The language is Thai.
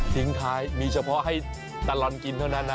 ทิ้งท้ายมีเฉพาะให้ตลอดกินเท่านั้นนะ